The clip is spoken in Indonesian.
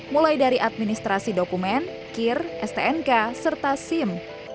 mulai dari administrasi dokumen kir stnk serta sim